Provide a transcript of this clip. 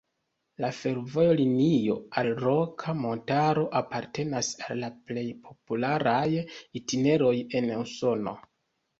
La fervoja linio al Roka Montaro apartenas al la plej popularaj itineroj en Usono.